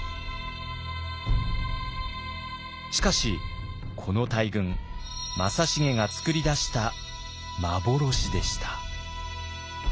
しかしこの大軍正成が作り出した幻でした。